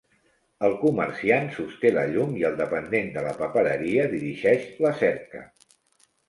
El comerciant sosté la llum i el dependent de la papereria dirigeix la cerca.